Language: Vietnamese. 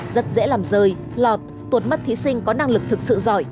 rất dễ làm rơi lọt tụt mất thí sinh có năng lực thực sự giỏi